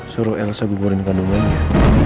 suruh elsa gugurin kandungannya